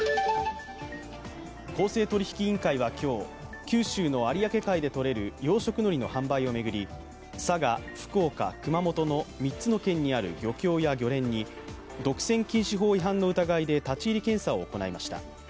公正取引委員会は今日九州の有明海でとれる養殖のりの販売を巡り、佐賀、福岡、熊本の３つの県にある漁協や漁連に独占禁止法違反の疑いで立ち入り検査を行いました。